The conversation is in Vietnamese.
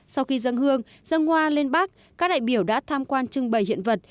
sau khi dâng hương dâng hoa lên bắc các đại biểu đã tham quan trưng bày hiện vật